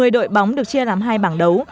một mươi đội bóng được chia làm hai bảng đấu